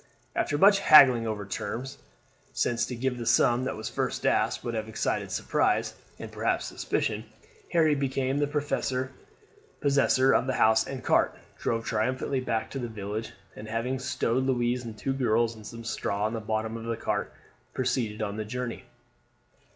After much haggling over terms since to give the sum that was first asked would have excited surprise, and perhaps suspicion Harry became the possessor of the horse and cart, drove triumphantly back to the village, and having stowed Louise and the two girls on some straw in the bottom of the cart, proceeded on the journey.